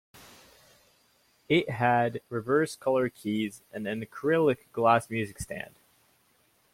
It had reverse-colour keys and an acrylic glass music stand.